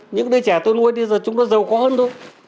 những đứa trẻ tôi nuôi bây giờ chúng nó giàu có hơn tôi